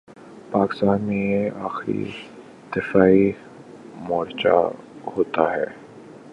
پاکستان میں یہ آخری دفاعی مورچہ ہوتا ہے۔